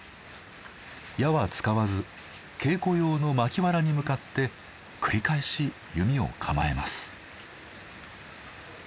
矢は使わず稽古用の巻藁に向かって繰り返し弓を構えます。